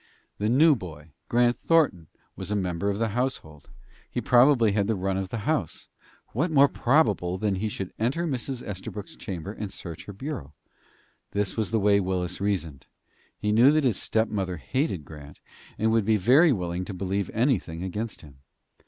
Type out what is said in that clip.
The new boy, Grant Thornton, was a member of the household. He probably had the run of the house. What more probable than that he should enter Mrs. Estabrook's chamber and search her bureau? This was the way Willis reasoned. He knew that his stepmother hated Grant, and would be very willing to believe anything against him.